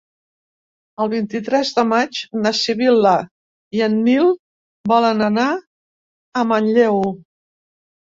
El vint-i-tres de maig na Sibil·la i en Nil volen anar a Manlleu.